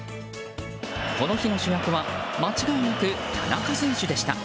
この日の主役は間違いなく田中選手でした。